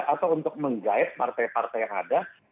atau untuk menggait partai partai yang ada